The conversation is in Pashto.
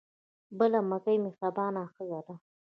بل مکۍ مهربانه ښځه ده.